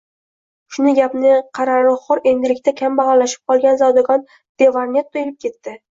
Shunda gapni qari aroqxo`r, endilikda kambag`allashib qolgan zodagon de Varnetto ilib ketdi